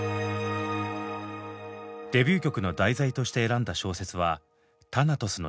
デビュー曲の題材として選んだ小説は「タナトスの誘惑」。